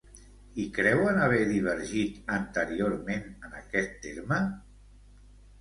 I creuen haver divergit anteriorment en aquest terme?